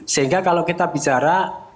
sehingga kalau kita bicara